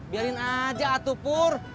biarin aja atu pur